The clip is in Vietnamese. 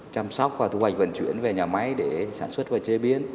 chăm sóc và thu hoạch vận chuyển về nhà máy để sản xuất và chế biến